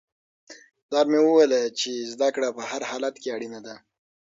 پلار مې وویل چې زده کړه په هر حالت کې اړینه ده.